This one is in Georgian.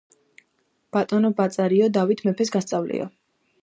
ბატონო ბაწარიო, დავით მეფეს გასწავლიო.